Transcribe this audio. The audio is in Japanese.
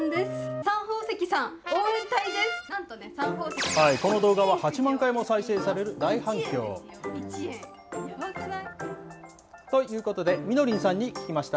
サン宝石さん、この動画は８万回も再生される大反響。ということで、みのりんさんに聞きました。